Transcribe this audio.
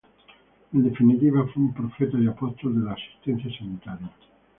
En definitiva, fue un profeta y apóstol de la asistencia sanitaria.